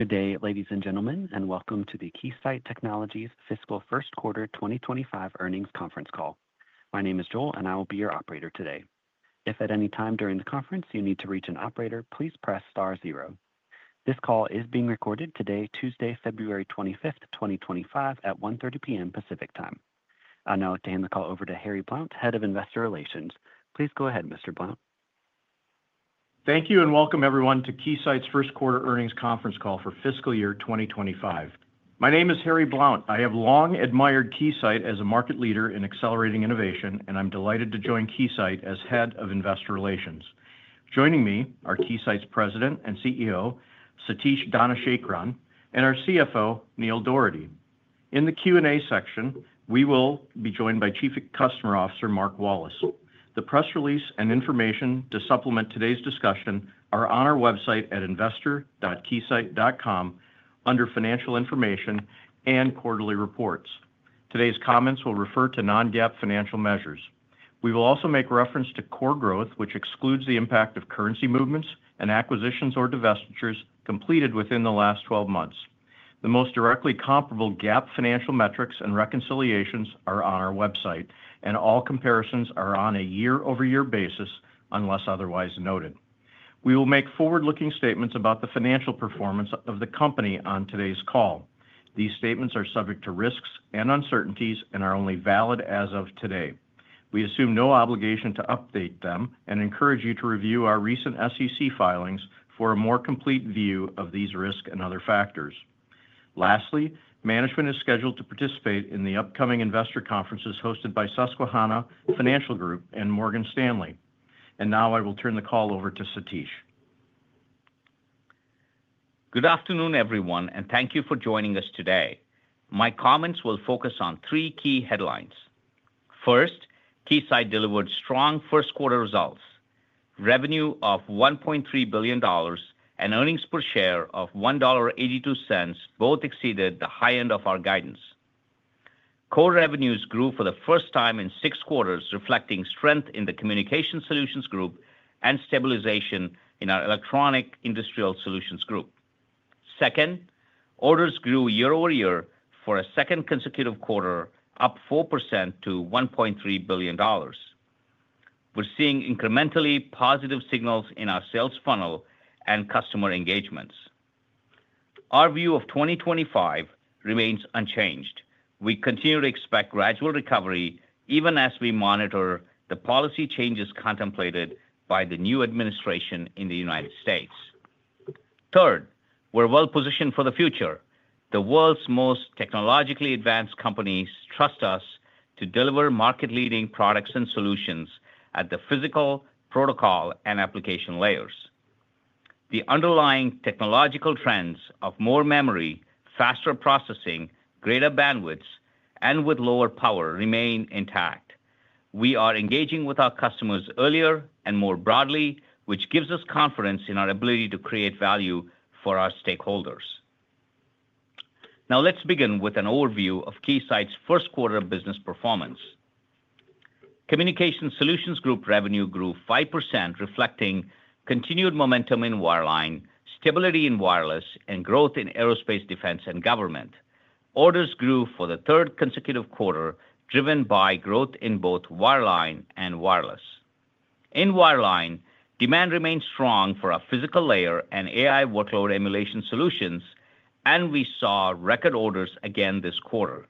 Good day, ladies and gentlemen, and welcome to the Keysight Technologies fiscal first quarter 2025 earnings conference call. My name is Joel, and I will be your operator today. If at any time during the conference you need to reach an operator, please press star zero. This call is being recorded today, Tuesday, February 25th, 2025, at 1:30 P.M. Pacific Time. I'll now like to hand the call over to Harry Blount, Head of Investor Relations. Please go ahead, Mr. Blount. Thank you and welcome everyone to Keysight's first quarter earnings conference call for fiscal year 2025. My name is Harry Blount. I have long-admired Keysight as a market leader in accelerating innovation, and I'm delighted to join Keysight as Head of Investor Relations. Joining me are Keysight's President and CEO, Satish Dhanasekaran, and our CFO, Neil Dougherty. In the Q&A section, we will be joined by Chief Customer Officer, Mark Wallace. The press release and information to supplement today's discussion are on our website at Investor.Keysight.com under Financial Information and Quarterly Reports. Today's comments will refer to non-GAAP financial measures. We will also make reference to core growth, which excludes the impact of currency movements and acquisitions or divestitures completed within the last 12 months. The most directly comparable GAAP financial metrics and reconciliations are on our website, and all comparisons are on a year-over-year basis unless otherwise noted. We will make forward-looking statements about the financial performance of the company on today's call. These statements are subject to risks and uncertainties and are only valid as of today. We assume no obligation to update them and encourage you to review our recent SEC filings for a more complete view of these risks and other factors. Lastly, management is scheduled to participate in the upcoming investor conferences hosted by Susquehanna Financial Group and Morgan Stanley, and now I will turn the call over to Satish. Good afternoon, everyone, and thank you for joining us today. My comments will focus on three key headlines. First, Keysight delivered strong first quarter results. Revenue of $1.3 billion and earnings per share of $1.82 both exceeded the high end of our guidance. Core revenues grew for the first time in six quarters, reflecting strength in the Communication Solutions Group and stabilization in our Electronic Industrial Solutions Group. Second, orders grew year-over-year for a second consecutive quarter, up 4% to $1.3 billion. We're seeing incrementally positive signals in our sales funnel and customer engagements. Our view of 2025 remains unchanged. We continue to expect gradual recovery even as we monitor the policy changes contemplated by the new administration in the United States. Third, we're well-positioned for the future. The world's most technologically advanced companies trust us to deliver market-leading products and solutions at the physical, protocol, and application layers. The underlying technological trends of more memory, faster processing, greater bandwidths, and with lower power remain intact. We are engaging with our customers earlier and more broadly, which gives us confidence in our ability to create value for our stakeholders. Now let's begin with an overview of Keysight's first quarter business performance. Communication Solutions Group revenue grew 5%, reflecting continued momentum in wireline, stability in wireless, and growth in Aerospace, Defense, and Government. Orders grew for the third consecutive quarter, driven by growth in both wireline and wireless. In wireline, demand remained strong for our physical layer and AI workload emulation solutions, and we saw record orders again this quarter.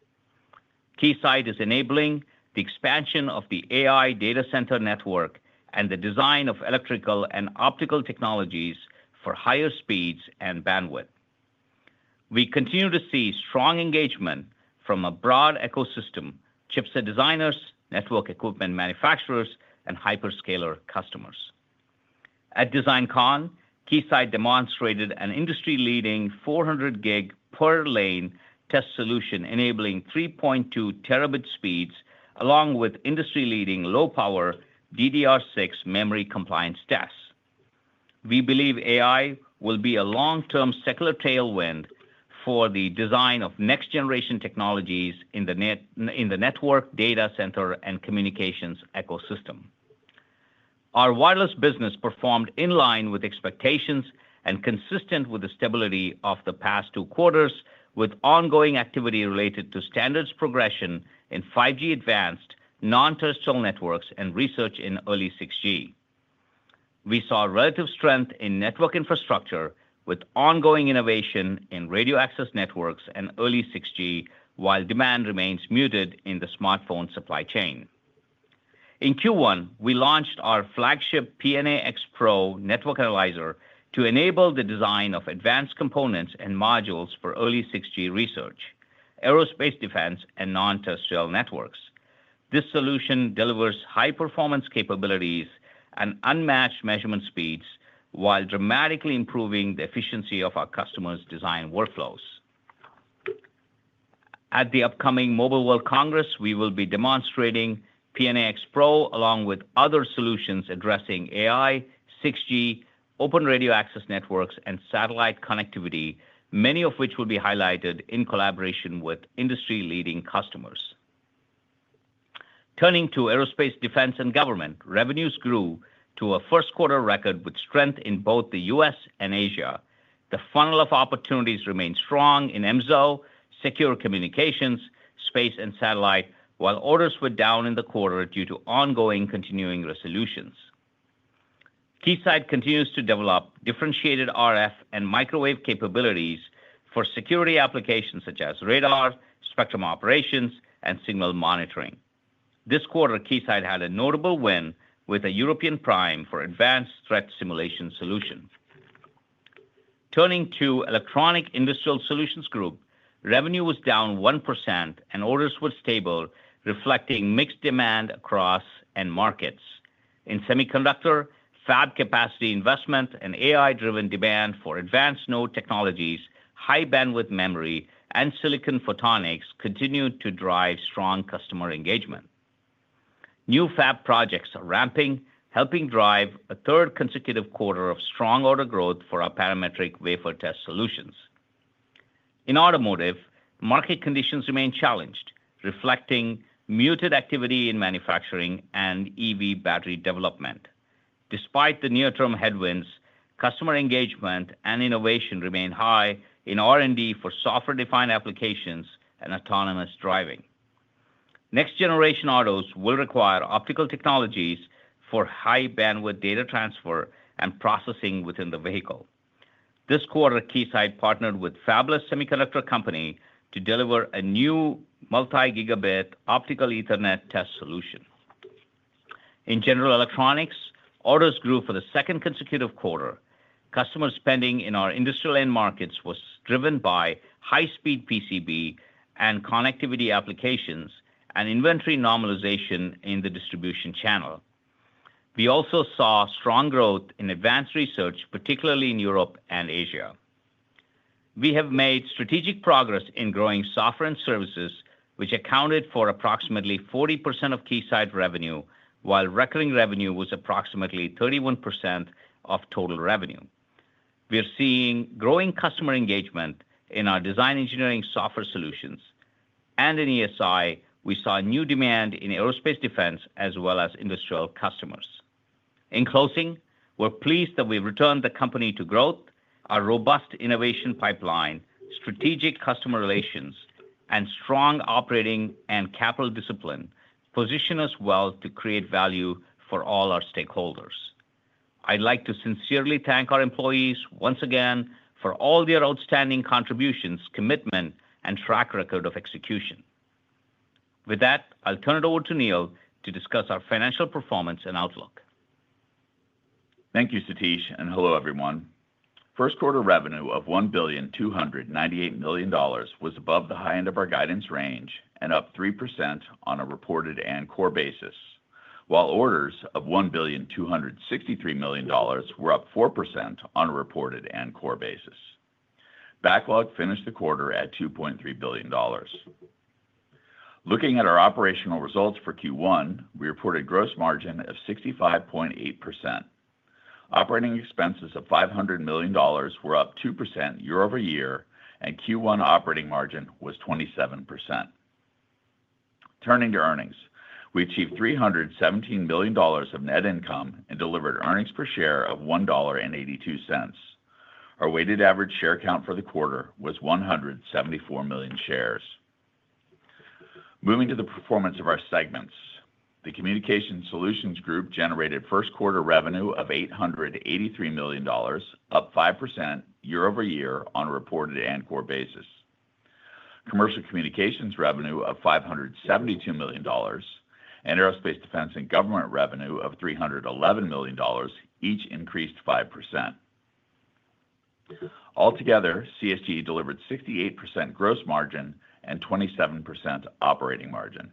Keysight is enabling the expansion of the AI data center network and the design of electrical and optical technologies for higher speeds and bandwidth. We continue to see strong engagement from a broad ecosystem: chipset designers, network equipment manufacturers, and hyperscaler customers. At DesignCon, Keysight demonstrated an industry-leading 400-gig per lane test solution enabling 3.2 terabit speeds, along with industry-leading low-power DDR6 memory compliance tests. We believe AI will be a long-term secular tailwind for the design of next-generation technologies in the network, data center, and communications ecosystem. Our wireless business performed in line with expectations and consistent with the stability of the past two quarters, with ongoing activity related to standards progression in 5G Advanced, Non-Terrestrial Networks, and research in early 6G. We saw relative strength in network infrastructure with ongoing innovation in radio access networks and early 6G, while demand remains muted in the smartphone supply chain. In Q1, we launched our flagship PNA-X Pro network analyzer to enable the design of advanced components and modules for early 6G research, aerospace, defense, and Non-Terrestrial Networks. This solution delivers high-performance capabilities and unmatched measurement speeds while dramatically improving the efficiency of our customers' design workflows. At the upcoming Mobile World Congress, we will be demonstrating PNA-X Pro along with other solutions addressing AI, 6G, Open Radio Access Networks, and satellite connectivity, many of which will be highlighted in collaboration with industry-leading customers. Turning to Aerospace, Defense, and Government, revenues grew to a first quarter record with strength in both the U.S. and Asia. The funnel of opportunities remained strong in EMSO, secure communications, space, and satellite, while orders were down in the quarter due to ongoing continuing resolutions. Keysight continues to develop differentiated RF and microwave capabilities for security applications such as radar, spectrum operations, and signal monitoring. This quarter, Keysight had a notable win with a European prime for advanced threat simulation solution. Turning to Electronic Industrial Solutions Group, revenue was down 1%, and orders were stable, reflecting mixed demand across markets. In semiconductor, fab capacity investment, and AI-driven demand for advanced node technologies, High Bandwidth Memory, and silicon photonics continued to drive strong customer engagement. New fab projects are ramping, helping drive a third consecutive quarter of strong order growth for our parametric wafer test solutions. In automotive, market conditions remain challenged, reflecting muted activity in manufacturing and EV battery development. Despite the near-term headwinds, customer engagement and innovation remain high in R&D for software-defined applications and autonomous driving. Next-generation autos will require optical technologies for high bandwidth data transfer and processing within the vehicle. This quarter, Keysight partnered with fabless semiconductor company to deliver a new multi-gigabit optical Ethernet test solution. In general electronics, orders grew for the second consecutive quarter. Customer spending in our industrial end markets was driven by high-speed PCB and connectivity applications and inventory normalization in the distribution channel. We also saw strong growth in advanced research, particularly in Europe and Asia. We have made strategic progress in growing software and services, which accounted for approximately 40% of Keysight revenue, while recurring revenue was approximately 31% of total revenue. We are seeing growing customer engagement in our design engineering software solutions. And in ESI, we saw new demand in aerospace, defense, as well as industrial customers. In closing, we're pleased that we've returned the company to growth. Our robust innovation pipeline, strategic customer relations, and strong operating and capital discipline position us well to create value for all our stakeholders. I'd like to sincerely thank our employees once again for all their outstanding contributions, commitment, and track record of execution. With that, I'll turn it over to Neil to discuss our financial performance and outlook. Thank you, Satish, and hello, everyone. First quarter revenue of $1,298 million was above the high end of our guidance range and up 3% on a reported and core basis, while orders of $1,263 million were up 4% on a reported and core basis. Backlog finished the quarter at $2.3 billion. Looking at our operational results for Q1, we reported gross margin of 65.8%. Operating expenses of $500 million were up 2% year-over-year, and Q1 operating margin was 27%. Turning to earnings, we achieved $317 million of net income and delivered earnings per share of $1.82. Our weighted average share count for the quarter was 174 million shares. Moving to the performance of our segments, the Communication Solutions Group generated first quarter revenue of $883 million, up 5% year-over-year on a reported and core basis. Commercial communications revenue of $572 million, and aerospace, defense, and government revenue of $311 million, each increased 5%. Altogether, CSG delivered 68% gross margin and 27% operating margin.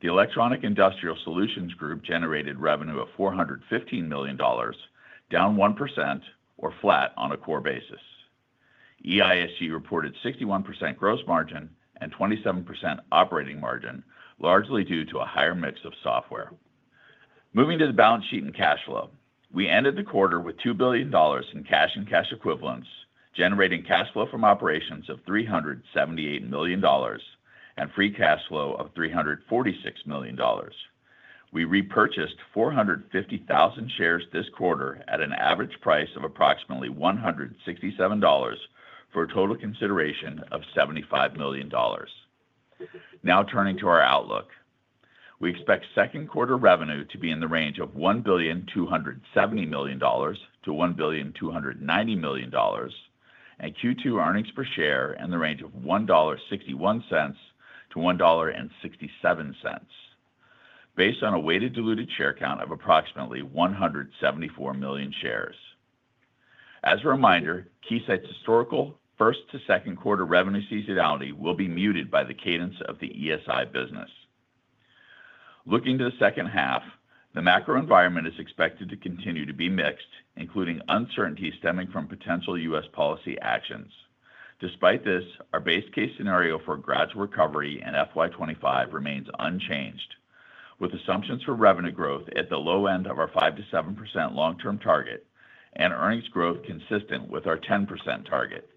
The Electronic Industrial Solutions Group generated revenue of $415 million, down 1%, or flat on a core basis. EISG reported 61% gross margin and 27% operating margin, largely due to a higher mix of software. Moving to the balance sheet and cash flow, we ended the quarter with $2 billion in cash and cash equivalents, generating cash flow from operations of $378 million and free cash flow of $346 million. We repurchased 450,000 shares this quarter at an average price of approximately $167 for a total consideration of $75 million. Now turning to our outlook, we expect second quarter revenue to be in the range of $1,270 million-$1,290 million, and Q2 earnings per share in the range of $1.61-$1.67, based on a weighted diluted share count of approximately 174 million shares. As a reminder, Keysight's historical first to second quarter revenue seasonality will be muted by the cadence of the ESI business. Looking to the second half, the macro environment is expected to continue to be mixed, including uncertainty stemming from potential U.S. policy actions. Despite this, our base case scenario for gradual recovery in FY 2025 remains unchanged, with assumptions for revenue growth at the low end of our 5%-7% long-term target and earnings growth consistent with our 10% target.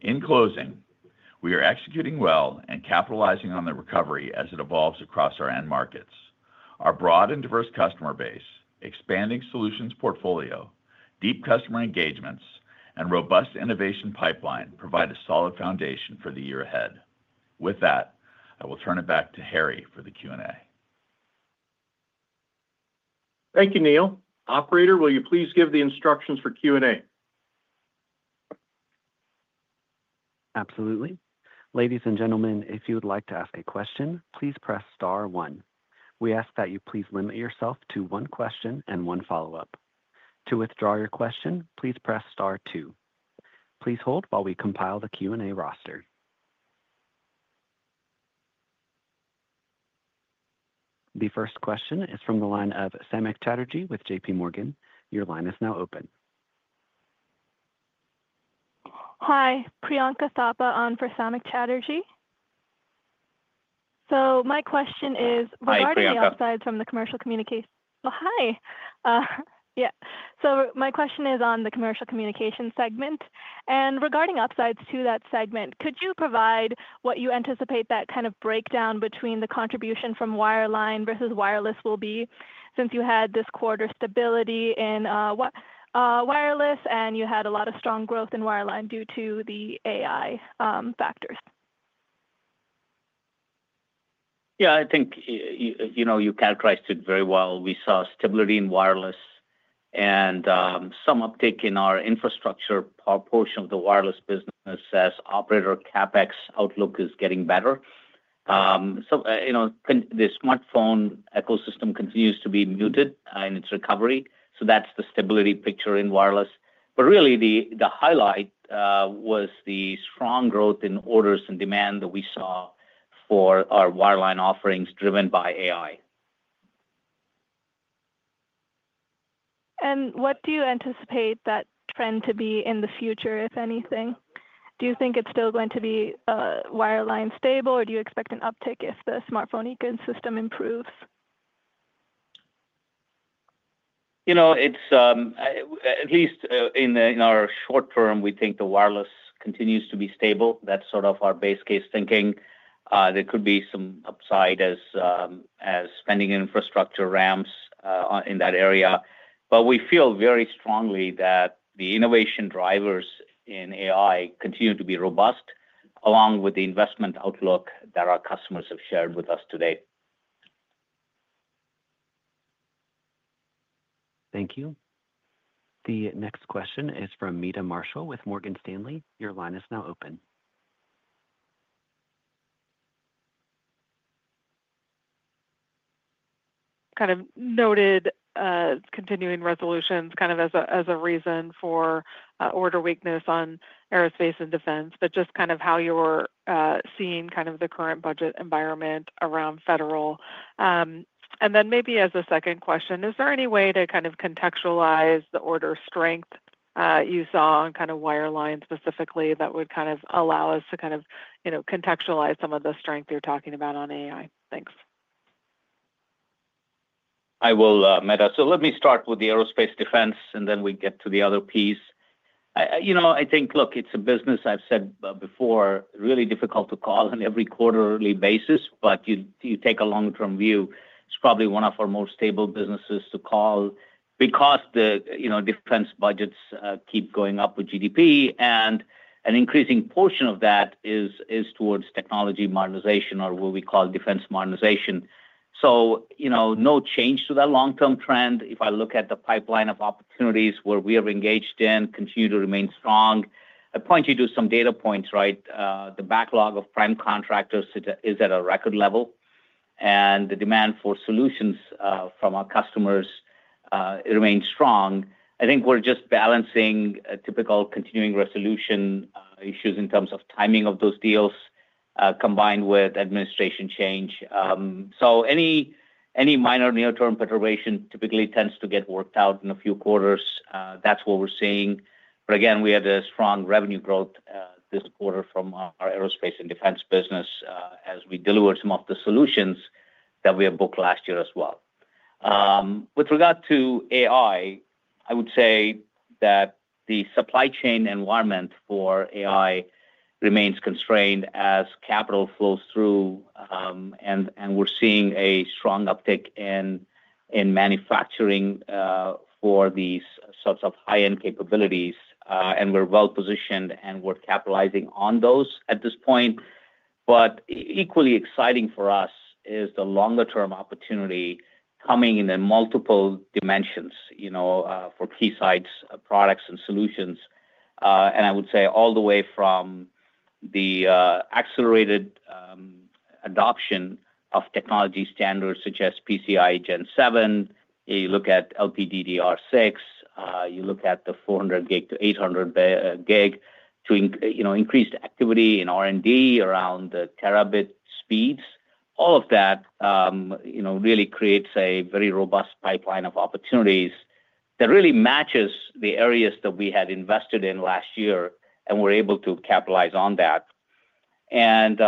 In closing, we are executing well and capitalizing on the recovery as it evolves across our end markets. Our broad and diverse customer base, expanding solutions portfolio, deep customer engagements, and robust innovation pipeline provide a solid foundation for the year ahead. With that, I will turn it back to Harry for the Q&A. Thank you, Neil. Operator, will you please give the instructions for Q&A? Absolutely. Ladies and gentlemen, if you would like to ask a question, please press star one. We ask that you please limit yourself to one question and one follow-up. To withdraw your question, please press star two. Please hold while we compile the Q&A roster. The first question is from the line of Samik Chatterjee with JPMorgan. Your line is now open. Hi, Priyanka Thapa on for Samik Chatterjee. So my question is regarding the upsides from the Commercial Communications. Hi, Priyanka. Well, hi. Yeah, so my question is on the Commercial Communications segment, and regarding upsides to that segment, could you provide what you anticipate that kind of breakdown between the contribution from wireline versus wireless will be since you had this quarter stability in wireless and you had a lot of strong growth in wireline due to the AI factors? Yeah, I think you characterized it very well. We saw stability in wireless and some uptake in our infrastructure portion of the wireless business as operator CapEx outlook is getting better, so the smartphone ecosystem continues to be muted in its recovery, so that's the stability picture in wireless, but really, the highlight was the strong growth in orders and demand that we saw for our wireline offerings driven by AI. What do you anticipate that trend to be in the future, if anything? Do you think it's still going to be wireline stable, or do you expect an uptake if the smartphone ecosystem improves? At least in our short term, we think the wireless continues to be stable. That's sort of our base case thinking. There could be some upside as spending infrastructure ramps in that area. But we feel very strongly that the innovation drivers in AI continue to be robust, along with the investment outlook that our customers have shared with us today. Thank you. The next question is from Meta Marshall with Morgan Stanley. Your line is now open. Noted continuing resolutions as a reason for order weakness on aerospace and defense, but just how you're seeing the current budget environment around federal. Then maybe as a second question, is there any way to contextualize the order strength you saw on wireline specifically that would allow us to contextualize some of the strength you're talking about on AI? Thanks. I will, Meta. So let me start with the aerospace, defense, and then we get to the other piece. I think, look, it's a business, I've said before, really difficult to call on every quarterly basis, but you take a long-term view. It's probably one of our most stable businesses to call because the defense budgets keep going up with GDP, and an increasing portion of that is towards technology modernization or what we call defense modernization. So no change to that long-term trend. If I look at the pipeline of opportunities where we are engaged in, continue to remain strong. I point you to some data points, right? The backlog of prime contractors is at a record level, and the demand for solutions from our customers remains strong. I think we're just balancing typical Continuing Resolution issues in terms of timing of those deals combined with administration change. So any minor near-term perturbation typically tends to get worked out in a few quarters. That's what we're seeing. But again, we had a strong revenue growth this quarter from our aerospace and defense business as we delivered some of the solutions that we had booked last year as well. With regard to AI, I would say that the supply chain environment for AI remains constrained as capital flows through, and we're seeing a strong uptick in manufacturing for these sorts of high-end capabilities. And we're well-positioned, and we're capitalizing on those at this point. But equally exciting for us is the longer-term opportunity coming in multiple dimensions for Keysight's products and solutions. And I would say all the way from the accelerated adoption of technology standards such as PCI Gen 7. You look at LPDDR6. You look at the 400 gig to 800 gig to increased activity in R&D around the terabit speeds. All of that really creates a very robust pipeline of opportunities that really matches the areas that we had invested in last year and were able to capitalize on that. And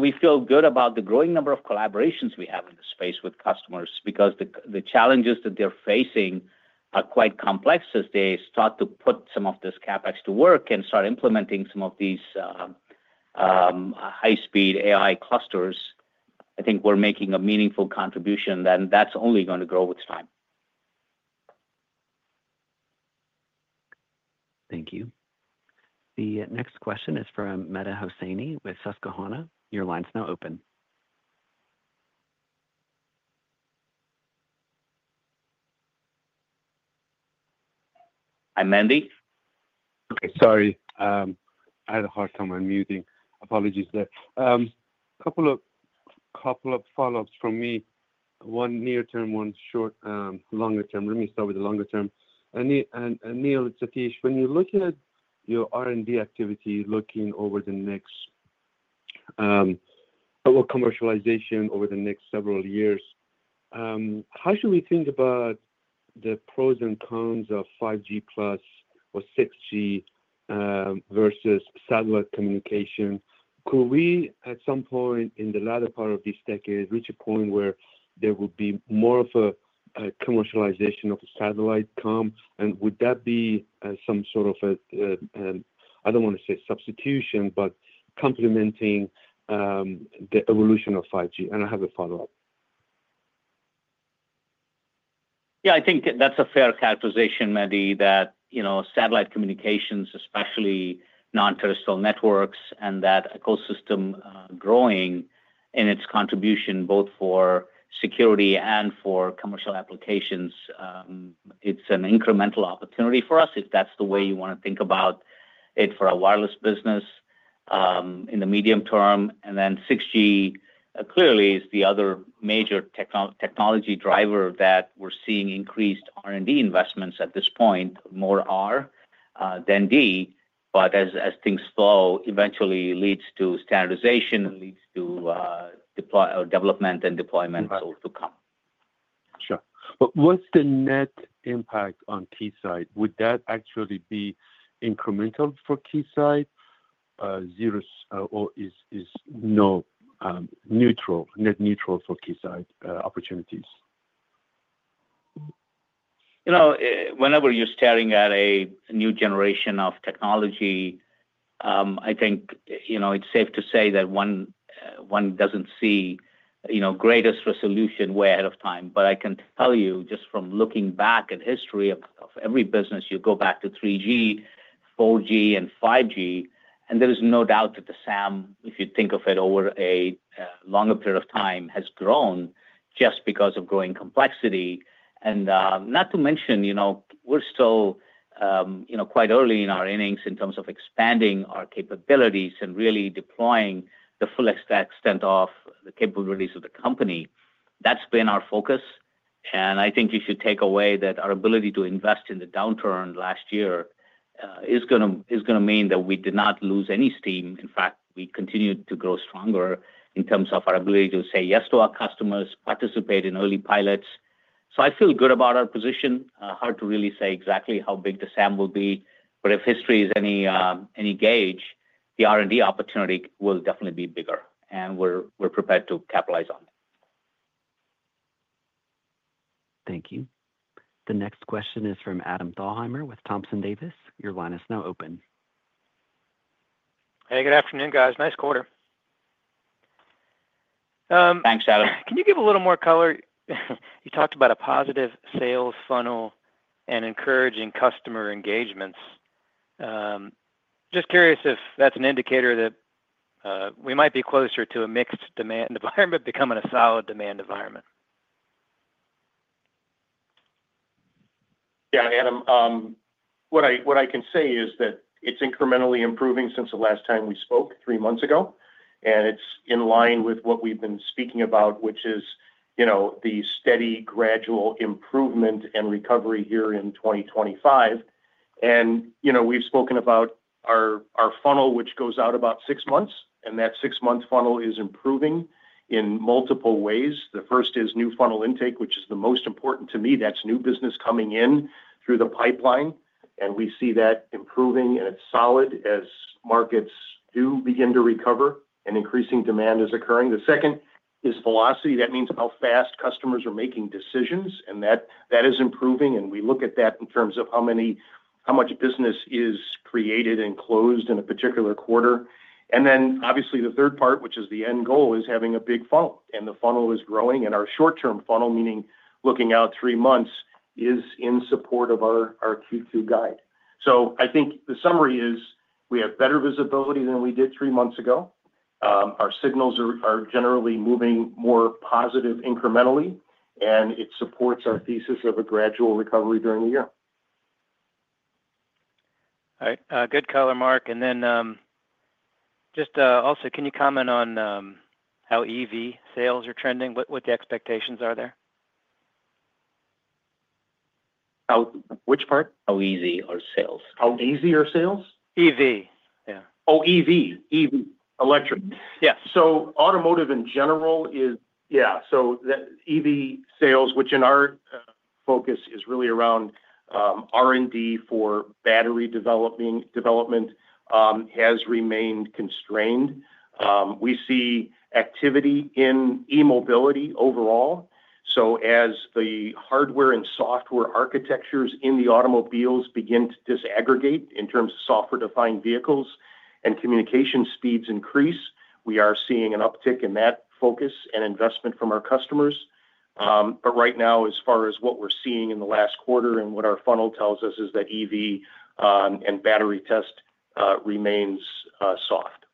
we feel good about the growing number of collaborations we have in the space with customers because the challenges that they're facing are quite complex as they start to put some of this CapEx to work and start implementing some of these high-speed AI clusters. I think we're making a meaningful contribution, and that's only going to grow with time. Thank you. The next question is from Mehdi Hosseini with Susquehanna. Your line's now open. Hi, Mehdi. Okay, sorry. I had a hard time unmuting. Apologies there. A couple of follow-ups from me. One near-term, one short, longer-term. Let me start with the longer-term. Neil and Satish, when you look at your R&D activity looking over the next commercialization over the next several years, how should we think about the pros and cons of 5G+ or 6G versus satellite communication? Could we at some point in the latter part of this decade reach a point where there would be more of a commercialization of satellite comm? And would that be some sort of a, I don't want to say substitution, but complementing the evolution of 5G? And I have a follow-up. Yeah, I think that's a fair characterization, Mehdi, that satellite communications, especially Non-Terrestrial Networks, and that ecosystem growing in its contribution both for security and for commercial applications. It's an incremental opportunity for us if that's the way you want to think about it for a wireless business in the medium term. And then 6G clearly is the other major technology driver that we're seeing increased R&D investments at this point, more R than D, but as things flow, eventually leads to standardization and leads to development and deployment to come. Sure. But what's the net impact on Keysight? Would that actually be incremental for Keysight, or is it neutral, net neutral for Keysight opportunities? Whenever you're staring at a new generation of technology, I think it's safe to say that one doesn't see the greatest resolution way ahead of time. But I can tell you just from looking back at the history of every business, you go back to 3G, 4G, and 5G, and there is no doubt that the SAM, if you think of it over a longer period of time, has grown just because of growing complexity. And not to mention, we're still quite early in our innings in terms of expanding our capabilities and really deploying the full extent of the capabilities of the company. That's been our focus. And I think you should take away that our ability to invest in the downturn last year is going to mean that we did not lose any steam. In fact, we continued to grow stronger in terms of our ability to say yes to our customers, participate in early pilots. So I feel good about our position. Hard to really say exactly how big the SAM will be, but if history is any gauge, the R&D opportunity will definitely be bigger, and we're prepared to capitalize on it. Thank you. The next question is from Adam Thalhimer with Thompson Davis. Your line is now open. Hey, good afternoon, guys. Nice quarter. Thanks, Adam. Can you give a little more color? You talked about a positive sales funnel and encouraging customer engagements. Just curious if that's an indicator that we might be closer to a mixed demand environment becoming a solid demand environment? Yeah, Adam. What I can say is that it's incrementally improving since the last time we spoke three months ago, and it's in line with what we've been speaking about, which is the steady, gradual improvement and recovery here in 2025, and we've spoken about our funnel, which goes out about six months, and that six-month funnel is improving in multiple ways. The first is new funnel intake, which is the most important to me. That's new business coming in through the pipeline, and we see that improving, and it's solid as markets do begin to recover and increasing demand is occurring. The second is velocity. That means how fast customers are making decisions, and that is improving, and we look at that in terms of how much business is created and closed in a particular quarter. And then, obviously, the third part, which is the end goal, is having a big funnel, and the funnel is growing. And our short-term funnel, meaning looking out three months, is in support of our Q2 guide. So I think the summary is we have better visibility than we did three months ago. Our signals are generally moving more positive incrementally, and it supports our thesis of a gradual recovery during the year. All right. Good color, Mark. And then just also, can you comment on how EV sales are trending? What expectations are there? Which part? How easy are sales? How easy are sales? EV. Yeah. Oh, EV, electric. Yes. So automotive in general is, yeah. So EV sales, which in our focus is really around R&D for battery development, has remained constrained. We see activity in e-mobility overall. So as the hardware and software architectures in the automobiles begin to disaggregate in terms of software-defined vehicles and communication speeds increase, we are seeing an uptick in that focus and investment from our customers. But right now, as far as what we're seeing in the last quarter and what our funnel tells us is that EV and battery test remains soft.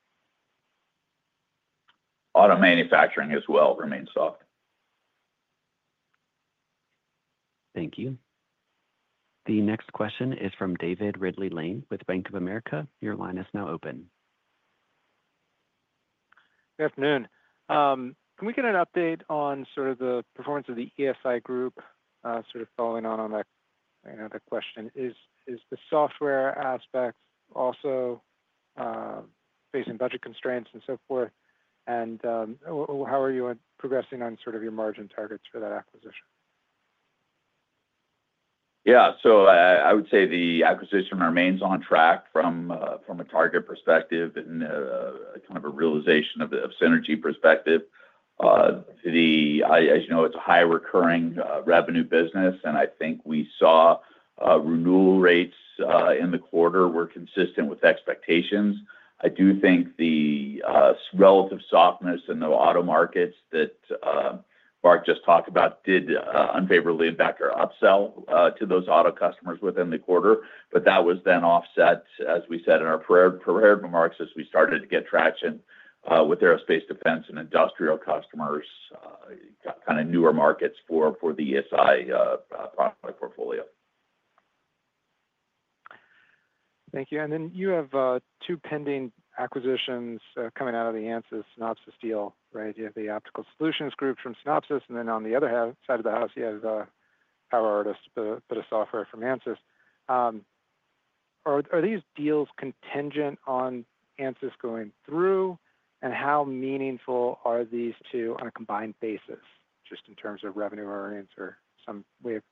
Auto manufacturing as well remains soft. Thank you. The next question is from David Ridley-Lane with Bank of America. Your line is now open. Good afternoon. Can we get an update on sort of the performance of the ESI Group, sort of following on that question? Is the software aspect also facing budget constraints and so forth? And how are you progressing on sort of your margin targets for that acquisition? Yeah. So I would say the acquisition remains on track from a target perspective and kind of a realization of synergy perspective. As you know, it's a high recurring revenue business, and I think we saw renewal rates in the quarter were consistent with expectations. I do think the relative softness in the auto markets that Mark just talked about did unfavorably impact our upsell to those auto customers within the quarter, but that was then offset, as we said in our prepared remarks, as we started to get traction with aerospace, defense, and industrial customers, kind of newer markets for the ESI product portfolio. Thank you. And then you have two pending acquisitions coming out of the Ansys Synopsys deal, right? You have the Optical Solutions Group from Synopsys, and then on the other side of the house, you have PowerArtist, a software from Ansys. Are these deals contingent on Ansys going through, and how meaningful are these two on a combined basis, just in terms of revenue or some way of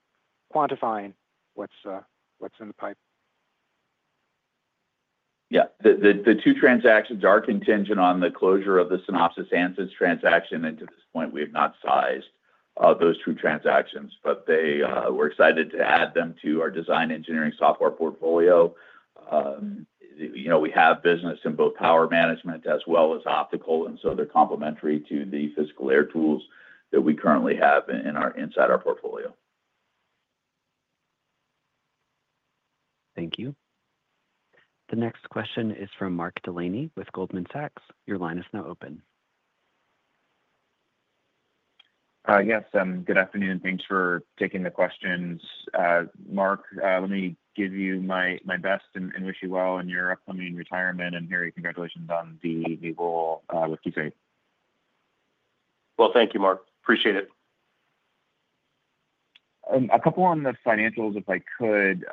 quantifying what's in the pipe? Yeah. The two transactions are contingent on the closure of the Synopsys Ansys transaction, and to this point, we have not sized those two transactions, but we're excited to add them to our design engineering software portfolio. We have business in both power management as well as optical, and so they're complementary to the physical layer tools that we currently have inside our portfolio. Thank you. The next question is from Mark Delaney with Goldman Sachs. Your line is now open. Yes. Good afternoon. Thanks for taking the questions. Mark, let me give you my best and wish you well in your upcoming retirement. And Harry, congratulations on the new role with Keysight. Thank you, Mark. Appreciate it. A couple on the financials, if I could.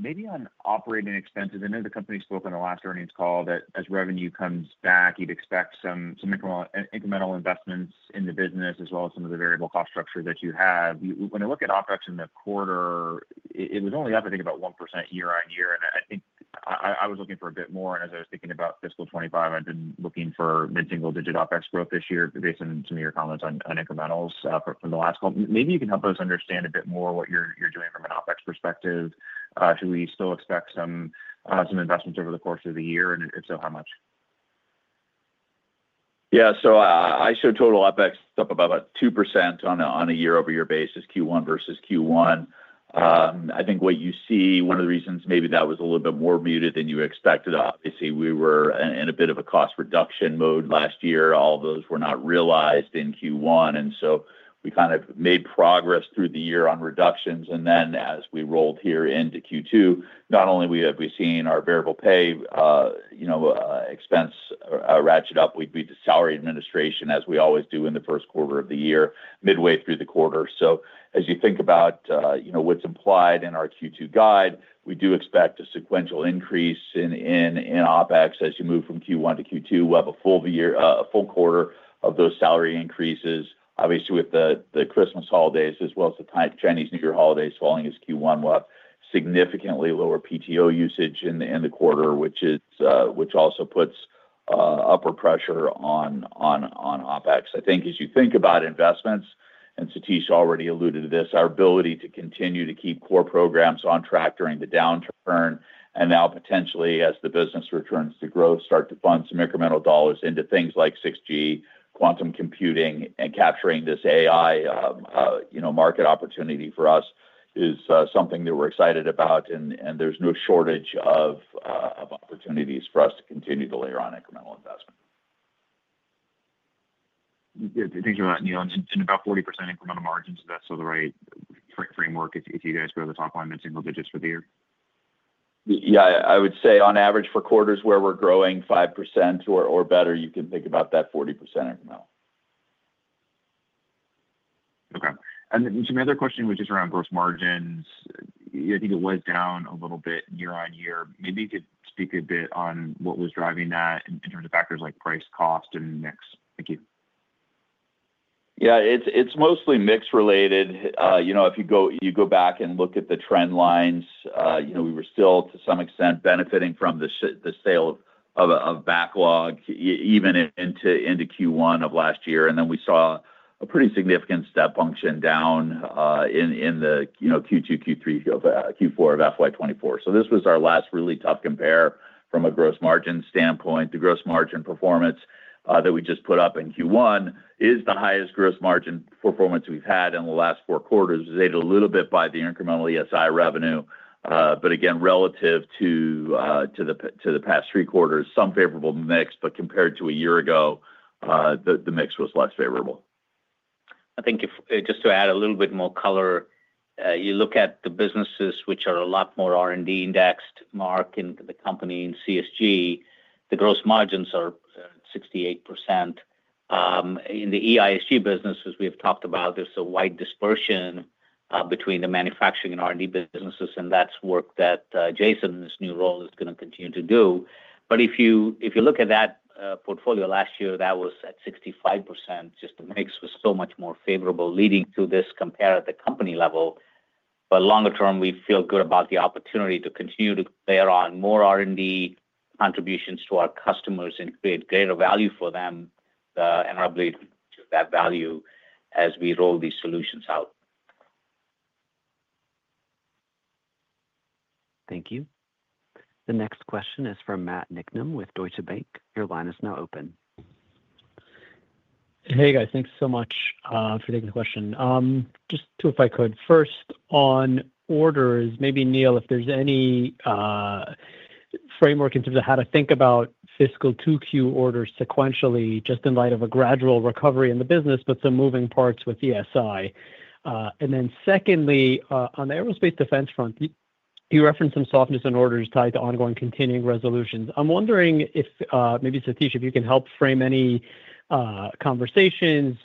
Maybe on operating expenses, I know the company spoke on the last earnings call that as revenue comes back, you'd expect some incremental investments in the business as well as some of the variable cost structure that you have. When I look at OpEx in the quarter, it was only up, I think, about 1% year-on-year, and I think I was looking for a bit more, and as I was thinking about fiscal 2025, I've been looking for mid-single-digit OpEx growth this year based on some of your comments on incrementals from the last call. Maybe you can help us understand a bit more what you're doing from an OpEx perspective. Should we still expect some investments over the course of the year, and if so, how much? Yeah. So I show total OpEx up about 2% on a year-over-year basis, Q1 versus Q1. I think what you see, one of the reasons maybe that was a little bit more muted than you expected. Obviously, we were in a bit of a cost reduction mode last year. All of those were not realized in Q1, and so we kind of made progress through the year on reductions. And then as we rolled here into Q2, not only have we seen our variable pay expense ratchet up, we do salary administration, as we always do in the first quarter of the year, midway through the quarter. So as you think about what's implied in our Q2 guide, we do expect a sequential increase in OpEx as you move from Q1 to Q2. We'll have a full quarter of those salary increases, obviously, with the Christmas holidays as well as the Chinese New Year holidays falling as Q1. We'll have significantly lower PTO usage in the quarter, which also puts upward pressure on OpEx. I think as you think about investments, and Satish already alluded to this, our ability to continue to keep core programs on track during the downturn, and now potentially as the business returns to growth, start to fund some incremental dollars into things like 6G, quantum computing, and capturing this AI market opportunity for us is something that we're excited about, and there's no shortage of opportunities for us to continue to layer on incremental investment. Good. Thank you, Neil. In about 40% incremental margins, is that still the right framework if you guys grow the top line in single digits for the year? Yeah. I would say on average for quarters where we're growing 5% or better, you can think about that 40% incremental. Okay. And then some other question, which is around gross margins. I think it was down a little bit year-on-year. Maybe you could speak a bit on what was driving that in terms of factors like price, cost, and mix? Thank you. Yeah. It's mostly mixed related. If you go back and look at the trend lines, we were still to some extent benefiting from the sale of backlog even into Q1 of last year, and then we saw a pretty significant step function down in the Q2, Q3, Q4 of FY 2024. So this was our last really tough compare from a gross margin standpoint. The gross margin performance that we just put up in Q1 is the highest gross margin performance we've had in the last four quarters. It's aided a little bit by the incremental ESI revenue, but again, relative to the past three quarters, some favorable mix, but compared to a year ago, the mix was less favorable. I think just to add a little bit more color. You look at the businesses which are a lot more R&D indexed, Mark, in the company and CSG; the gross margins are 68%. In the EISG businesses, we have talked about there's a wide dispersion between the manufacturing and R&D businesses, and that's work that Jason in his new role is going to continue to do. But if you look at that portfolio last year, that was at 65%. Just the mix was so much more favorable leading to this compare at the company level. But longer term, we feel good about the opportunity to continue to layer on more R&D contributions to our customers and create greater value for them and our ability to that value as we roll these solutions out. Thank you. The next question is from Matt Niknam with Deutsche Bank. Your line is now open. Hey, guys. Thanks so much for taking the question. Just if I could, first on orders, maybe, Neil, if there's any framework in terms of how to think about fiscal 2Q orders sequentially, just in light of a gradual recovery in the business, but some moving parts with ESI. And then secondly, on the aerospace defense front, you referenced some softness in orders tied to ongoing continuing resolutions. I'm wondering if maybe Satish, if you can help frame any conversations,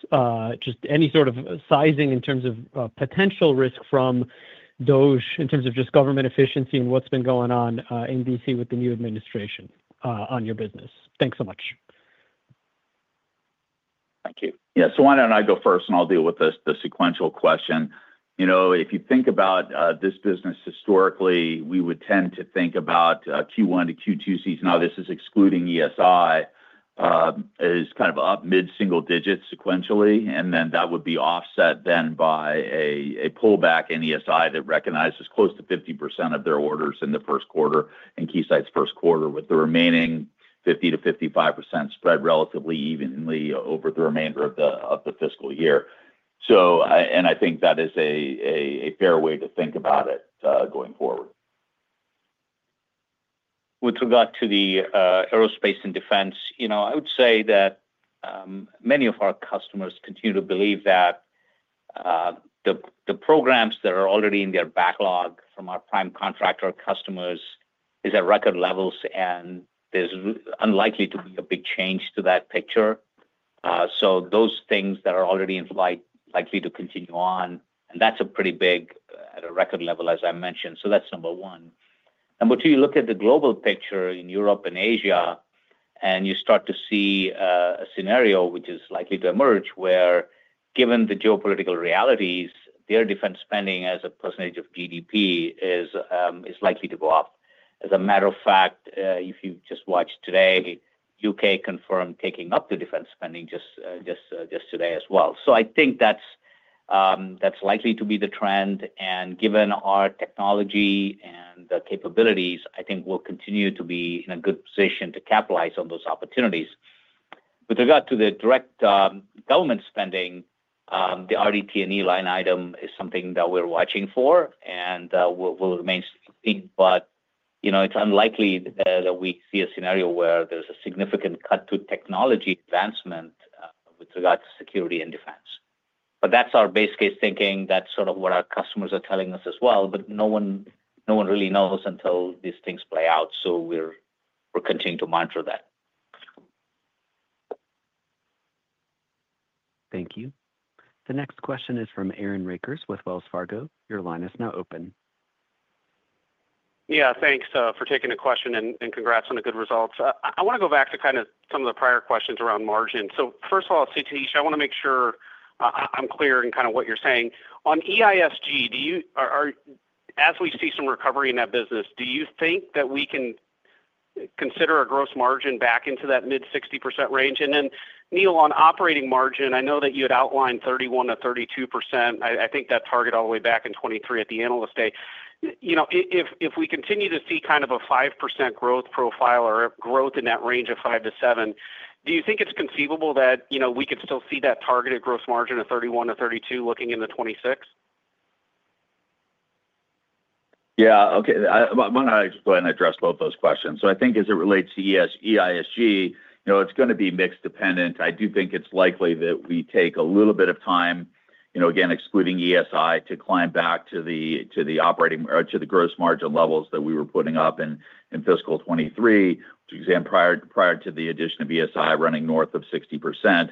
just any sort of sizing in terms of potential risk from DOGE in terms of just government efficiency and what's been going on in DC with the new administration on your business. Thanks so much. Thank you. Yeah. So why don't I go first and I'll deal with the sequential question. If you think about this business historically, we would tend to think about Q1 to Q2 season, now this is excluding ESI, as kind of up mid-single digits sequentially, and then that would be offset then by a pullback in ESI that recognizes close to 50% of their orders in the first quarter and Keysight's first quarter, with the remaining 50%-55% spread relatively evenly over the remainder of the fiscal year. And I think that is a fair way to think about it going forward. With regard to the aerospace and defense, I would say that many of our customers continue to believe that the programs that are already in their backlog from our prime contractor customers are at record levels, and there's unlikely to be a big change to that picture. So those things that are already in flight, likely to continue on, and that's a pretty big at a record level, as I mentioned. So that's number one. Number two, you look at the global picture in Europe and Asia, and you start to see a scenario which is likely to emerge where, given the geopolitical realities, their defense spending as a percentage of GDP is likely to go up. As a matter of fact, if you just watched today, U.K. confirmed taking up the defense spending just today as well. So I think that's likely to be the trend, and given our technology and the capabilities, I think we'll continue to be in a good position to capitalize on those opportunities. With regard to the direct government spending, the RDT&E line item is something that we're watching for and will remain vigilant, but it's unlikely that we see a scenario where there's a significant cut to technology advancement with regard to security and defense. But that's our base case thinking. That's sort of what our customers are telling us as well, but no one really knows until these things play out, so we're continuing to monitor that. Thank you. The next question is from Aaron Rakers with Wells Fargo. Your line is now open. Yeah. Thanks for taking the question and congrats on the good results. I want to go back to kind of some of the prior questions around margin. So first of all, Satish, I want to make sure I'm clear in kind of what you're saying. On EISG, as we see some recovery in that business, do you think that we can consider a gross margin back into that mid-60% range? And then, Neil, on operating margin, I know that you had outlined 31%-32%. I think that target all the way back in 2023 at the Analyst Day. If we continue to see kind of a 5% growth profile or growth in that range of 5%-7%, do you think it's conceivable that we could still see that targeted gross margin of 31%-32% looking into 2026? Yeah. Okay. I want to go ahead and address both those questions. So I think as it relates to EISG, it's going to be mixed dependent. I do think it's likely that we take a little bit of time, again, excluding ESI, to climb back to the operating or to the gross margin levels that we were putting up in fiscal 2023, prior to the addition of ESI running north of 60%.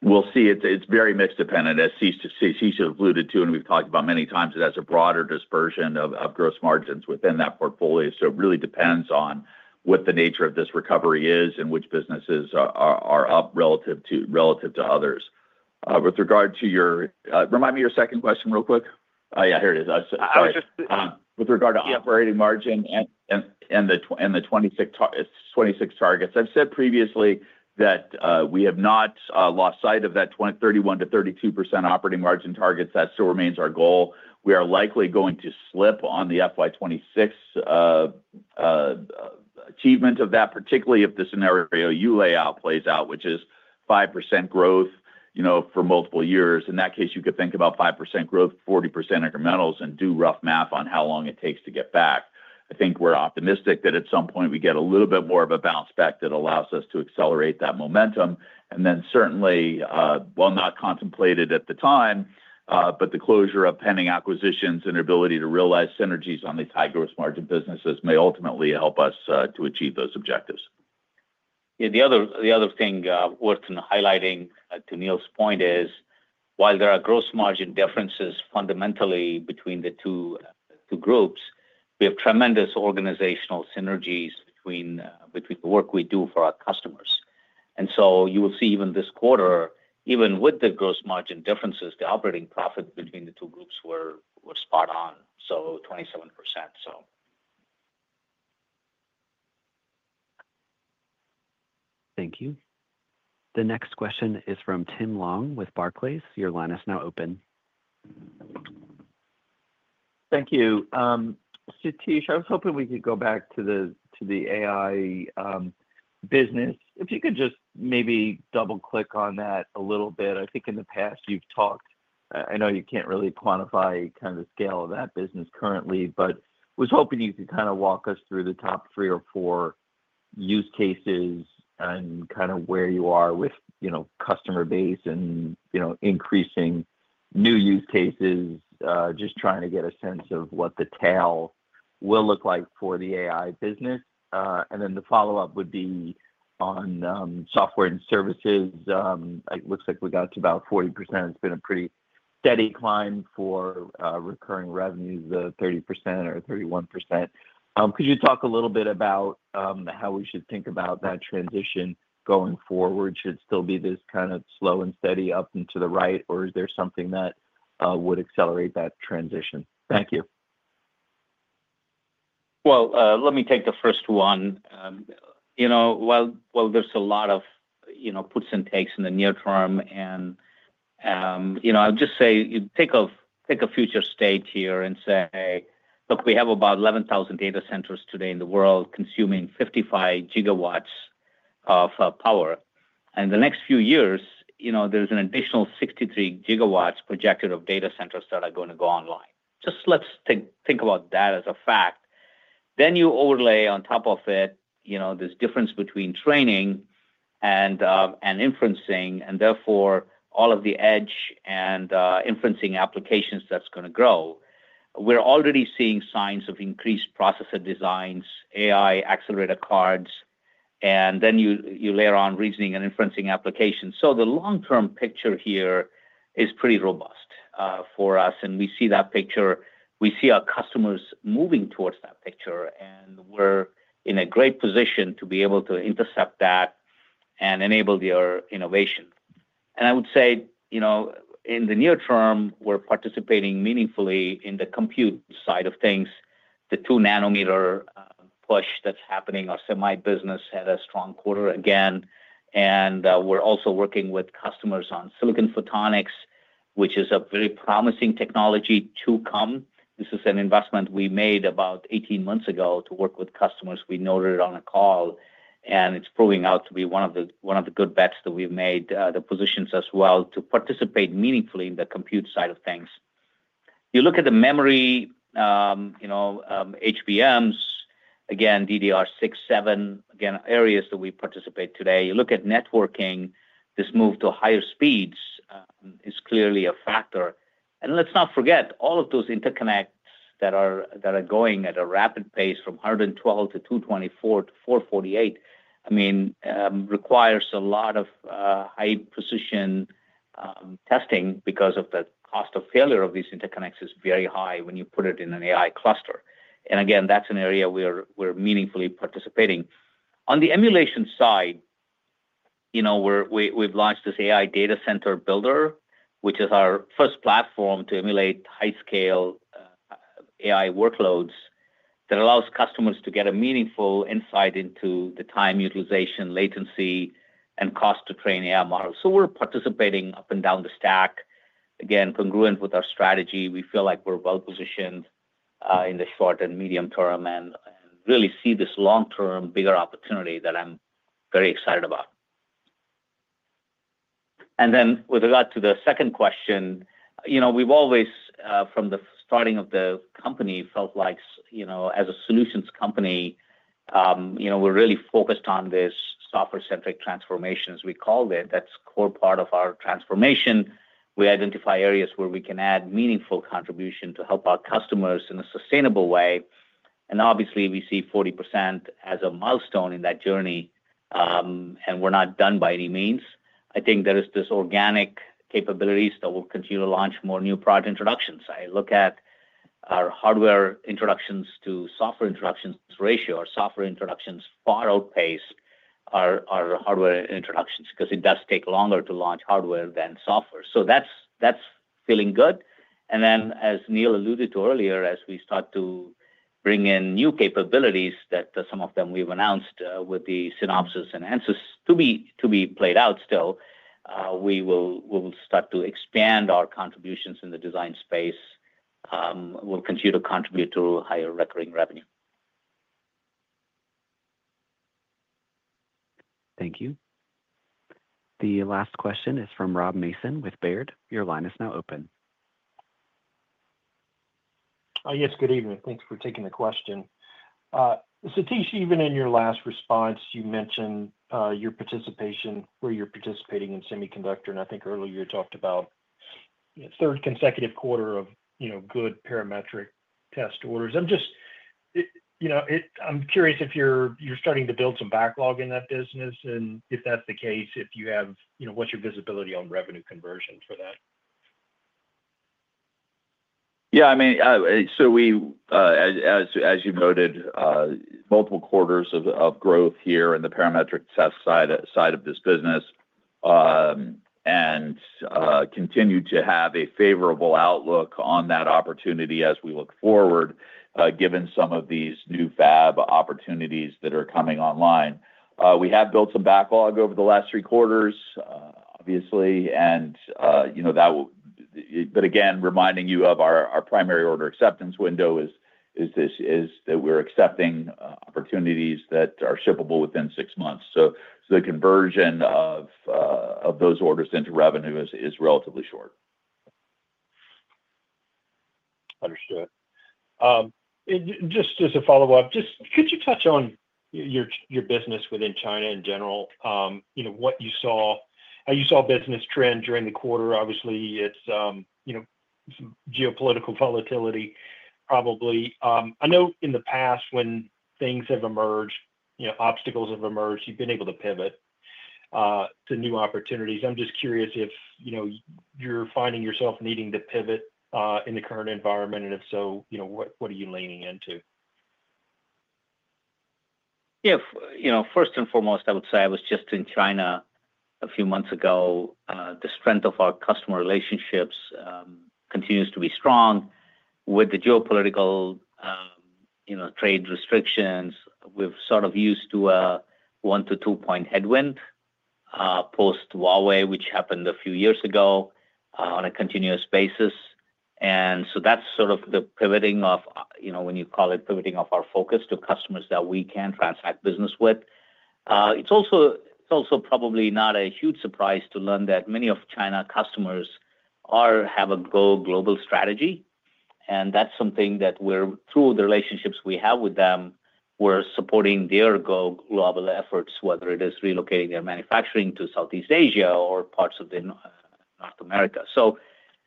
We'll see. It's very mixed dependent, as Satish has alluded to, and we've talked about many times that that's a broader dispersion of gross margins within that portfolio. So it really depends on what the nature of this recovery is and which businesses are up relative to others. With regard to your remind me your second question real quick. Oh, yeah. Here it is. With regard to operating margin and the FY 2026 targets, I've said previously that we have not lost sight of that 31%-32% operating margin target. That still remains our goal. We are likely going to slip on the FY 2026 achievement of that, particularly if the scenario you lay out plays out, which is 5% growth for multiple years. In that case, you could think about 5% growth, 40% incrementals, and do rough math on how long it takes to get back. I think we're optimistic that at some point we get a little bit more of a bounce back that allows us to accelerate that momentum. And then certainly, while not contemplated at the time, but the closure of pending acquisitions and ability to realize synergies on these high gross margin businesses may ultimately help us to achieve those objectives. Yeah. The other thing worth highlighting to Neil's point is, while there are gross margin differences fundamentally between the two groups, we have tremendous organizational synergies between the work we do for our customers, and so you will see even this quarter, even with the gross margin differences, the operating profit between the two groups were spot on, so 27%, so. Thank you. The next question is from Tim Long with Barclays. Your line is now open. Thank you. Satish, I was hoping we could go back to the AI business. If you could just maybe double-click on that a little bit. I think in the past you've talked. I know you can't really quantify kind of the scale of that business currently, but was hoping you could kind of walk us through the top three or four use cases and kind of where you are with customer base and increasing new use cases, just trying to get a sense of what the tail will look like for the AI business. And then the follow-up would be on software and services. It looks like we got to about 40%. It's been a pretty steady climb for recurring revenues, the 30% or 31%. Could you talk a little bit about how we should think about that transition going forward? Should it still be this kind of slow and steady up and to the right, or is there something that would accelerate that transition? Thank you. Let me take the first one. While there's a lot of puts and takes in the near term, and I'll just say you take a future state here and say, "Look, we have about 11,000 data centers today in the world consuming 55 GW of power. And in the next few years, there's an additional 63 GW projected of data centers that are going to go online." Just let's think about that as a fact. You overlay on top of it this difference between training and inferencing, and therefore all of the edge and inferencing applications that's going to grow. We're already seeing signs of increased processor designs, AI accelerator cards, and then you layer on reasoning and inferencing applications. The long-term picture here is pretty robust for us, and we see that picture. We see our customers moving towards that picture, and we're in a great position to be able to intercept that and enable their innovation. And I would say in the near term, we're participating meaningfully in the compute side of things. The 2-nanometer push that's happening, our semi business, had a strong quarter again. And we're also working with customers on silicon photonics, which is a very promising technology to come. This is an investment we made about 18 months ago to work with customers. We noted it on a call, and it's proving out to be one of the good bets that we've made, the positions as well to participate meaningfully in the compute side of things. You look at the memory, HBMs, again, DDR6, again, areas that we participate today. You look at networking, this move to higher speeds is clearly a factor. Let's not forget, all of those interconnects that are going at a rapid pace from 112 to 224 to 448. I mean, it requires a lot of high-precision testing because the cost of failure of these interconnects is very high when you put it in an AI cluster. And again, that's an area where we're meaningfully participating. On the emulation side, we've launched this AI Data Center Builder, which is our first platform to emulate high-scale AI workloads that allows customers to get a meaningful insight into the time utilization, latency, and cost to train AI models. So we're participating up and down the stack, again, congruent with our strategy. We feel like we're well-positioned in the short and medium term and really see this long-term bigger opportunity that I'm very excited about. And then with regard to the second question, we've always, from the starting of the company, felt like as a solutions company, we're really focused on this software-centric transformation, as we call it. That's a core part of our transformation. We identify areas where we can add meaningful contribution to help our customers in a sustainable way. And obviously, we see 40% as a milestone in that journey, and we're not done by any means. I think there is this organic capabilities that will continue to launch more new product introductions. I look at our hardware introductions to software introductions ratio, our software introductions far outpace our hardware introductions because it does take longer to launch hardware than software. So that's feeling good. And then, as Neil alluded to earlier, as we start to bring in new capabilities that some of them we've announced with the Synopsys and Ansys to be played out still, we will start to expand our contributions in the design space. We'll continue to contribute to higher recurring revenue. Thank you. The last question is from Rob Mason with Baird. Your line is now open. Yes. Good evening. Thanks for taking the question. Satish, even in your last response, you mentioned your participation where you're participating in semiconductor. And I think earlier you talked about third consecutive quarter of good parametric test orders. I'm curious if you're starting to build some backlog in that business, and if that's the case, what's your visibility on revenue conversion for that? Yeah. I mean, so as you noted, multiple quarters of growth here in the parametric test side of this business and continue to have a favorable outlook on that opportunity as we look forward, given some of these new fab opportunities that are coming online. We have built some backlog over the last three quarters, obviously, and that will, but again, reminding you of our primary order acceptance window is that we're accepting opportunities that are shippable within six months. So the conversion of those orders into revenue is relatively short. Understood. Just as a follow-up, could you touch on your business within China in general, what you saw? You saw business trend during the quarter. Obviously, it's geopolitical volatility probably. I know in the past, when things have emerged, obstacles have emerged, you've been able to pivot to new opportunities. I'm just curious if you're finding yourself needing to pivot in the current environment, and if so, what are you leaning into? Yeah. First and foremost, I would say I was just in China a few months ago. The strength of our customer relationships continues to be strong. With the geopolitical trade restrictions, we've sort of used to a one to two-point headwind post-Huawei, which happened a few years ago on a continuous basis. And so that's sort of the pivoting of, when you call it pivoting of our focus to customers that we can transact business with. It's also probably not a huge surprise to learn that many of China's customers have a go-global strategy. And that's something that we're, through the relationships we have with them, we're supporting their go-global efforts, whether it is relocating their manufacturing to Southeast Asia or parts of North America. So,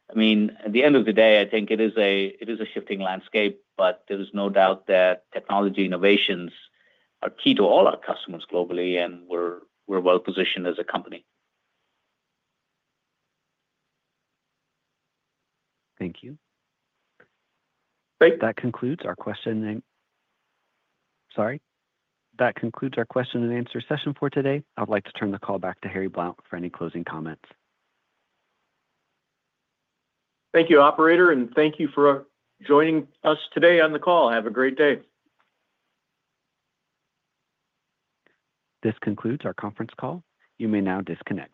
I mean, at the end of the day, I think it is a shifting landscape, but there is no doubt that technology innovations are key to all our customers globally, and we're well-positioned as a company. Thank you. Great. That concludes our question and answer session for today. I'd like to turn the call back to Harry Blount for any closing comments. Thank you, operator, and thank you for joining us today on the call. Have a great day. This concludes our conference call. You may now disconnect.